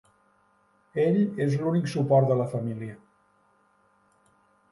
Ell és l'únic suport de la família.